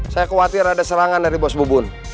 saya khawatir ada serangan dari bos bubun